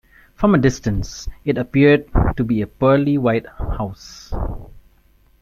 From a distance it appeared to be a "pearly white" house.